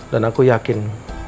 dan aku yakin